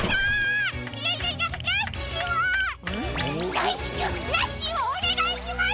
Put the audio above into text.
だいしきゅうラッシーをおねがいします！